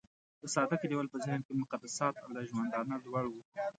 د ساده کليوال په ذهن کې مقدسات له ژوندانه لوړ وو.